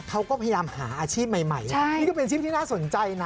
เขาก็พยายามหาอาชีพใหม่นี่ก็เป็นอาชีพที่น่าสนใจนะ